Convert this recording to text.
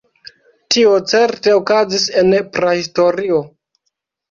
Tio certe okazis en prahistorio.